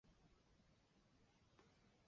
海关关衔标志为金色。